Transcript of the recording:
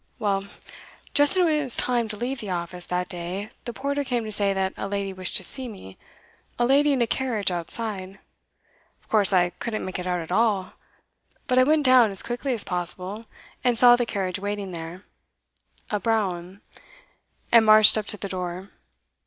Well, just when it was time to leave the office, that day, the porter came to say that a lady wished to see me a lady in a carriage outside. Of course I couldn't make it out at all, but I went down as quickly as possible, and saw the carriage waiting there, a brougham, and marched up to the door.